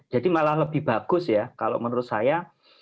jadi malah lebih bagus ya kalau menurut saya